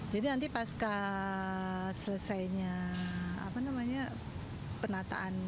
jadi nanti pas selesainya penataan